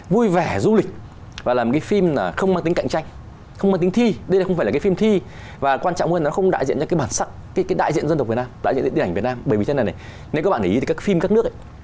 bởi vì cho nên này nếu các bạn để ý thì các phim các nước